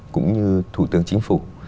cũng như thủ tướng chính phủ